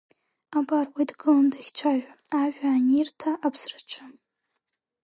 Абар уи дгылан дахьцәажәо, ажәа анирҭа аԥсраҿы!